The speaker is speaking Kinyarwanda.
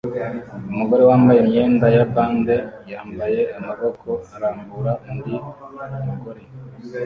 Umugore wambaye imyenda ya bande yambaye amaboko arambura undi mugore